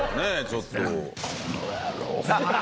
ちょっと。